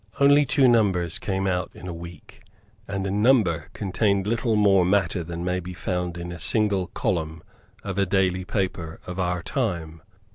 Only two numbers came out in a week, and a number contained little more matter than may be found in a single column of a daily paper of our time.